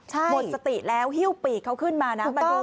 หมดสติแล้วฮิ้วปีกเขาขึ้นมานะมาดู